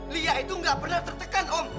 lia itu gak pernah tertekan om